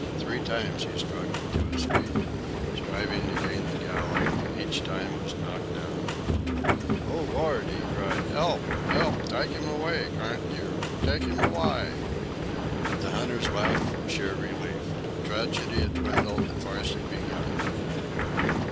Three times he struggled to his feet, striving to gain the galley, and each time was knocked down. "Oh, Lord!" he cried. "'Elp! 'Elp! Tyke 'im aw'y, carn't yer? Tyke 'im aw'y!" The hunters laughed from sheer relief. Tragedy had dwindled, the farce had begun.